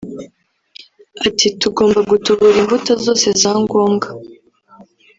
Ati “Tugomba gutubura imbuto zose za ngombwa